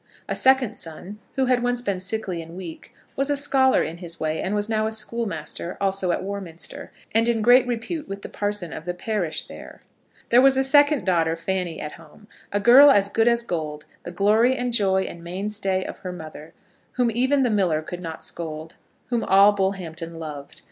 A second son who had once been sickly and weak, was a scholar in his way, and was now a schoolmaster, also at Warminster, and in great repute with the parson of the parish there. There was a second daughter, Fanny, at home, a girl as good as gold, the glory and joy and mainstay of her mother, whom even the miller could not scold, whom all Bullhampton loved.